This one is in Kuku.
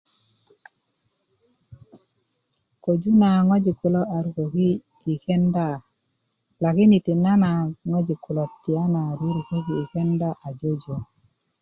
ƙöju na ŋojik kulo a ruköki yi kenda lakini tinana ŋojik kulo tiyana ŋojik kulo ruruköki yi kenda ajejo